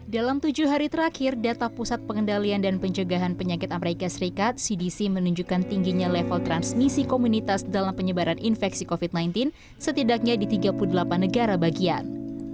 dalam tujuh hari terakhir data pusat pengendalian dan pencegahan penyakit amerika serikat cdc menunjukkan tingginya level transmisi komunitas dalam penyebaran infeksi covid sembilan belas setidaknya di tiga puluh delapan negara bagian